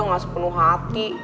enggak sepenuh hati